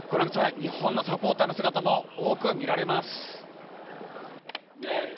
日本のサポーターの姿も多く見られます。